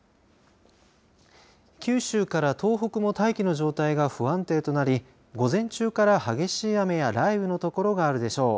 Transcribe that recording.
九州から東北も大気の状態が不安定となり午前中から激しい雨や雷雨の所があるでしょう。